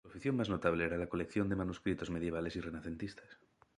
Su afición más notable era la colección de manuscritos medievales y renacentistas.